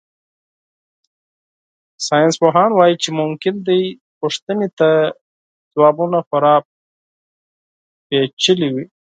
ساینسپوهان وایي چې ممکن دې پوښتنې ته ځوابونه خورا پېچلي وي.